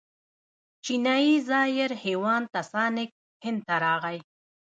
چینایي زایر هیوان تسانګ هند ته راغی.